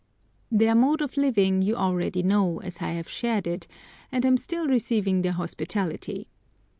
Their mode of living you already know, as I have shared it, and am still receiving their hospitality.